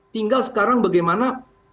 tinggal sekarang bagaimana